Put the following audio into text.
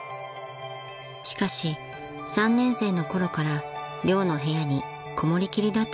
［しかし３年生のころから寮の部屋にこもりきりだったそうです］